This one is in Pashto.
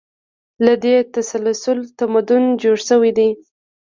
له دې تسلسل تمدن جوړ شوی دی.